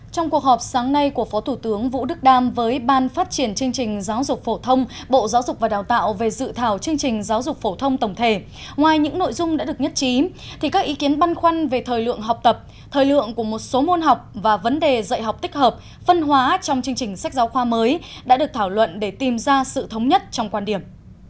trong cuộc họp sáng nay của phó thủ tướng vũ đức đam với ban phát triển chương trình giáo dục phổ thông bộ giáo dục và đào tạo về dự thảo chương trình giáo dục phổ thông tổng thể ngoài những nội dung đã được nhất trí thì các ý kiến băn khoăn về thời lượng học tập thời lượng của một số môn học và vấn đề dạy học tích hợp phân hóa trong chương trình sách giáo khoa mới đã được thảo luận để tìm ra sự thống nhất trong quan điểm